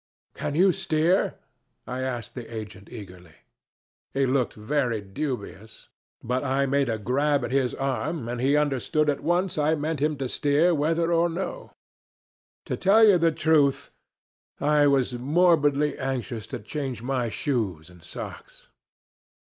'Can you steer?' I asked the agent eagerly. He looked very dubious; but I made a grab at his arm, and he understood at once I meant him to steer whether or no. To tell you the truth, I was morbidly anxious to change my shoes and socks.